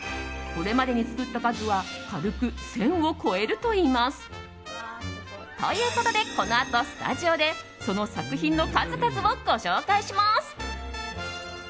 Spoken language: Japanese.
これまでに作った数は軽く１０００を超えるといいます。ということでこのあとスタジオでその作品の数々をご紹介します。